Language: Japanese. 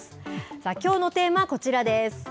さあ、きょうのテーマはこちらです。